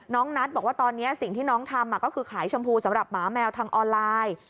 นัทบอกว่าตอนนี้สิ่งที่น้องทำก็คือขายชมพูสำหรับหมาแมวทางออนไลน์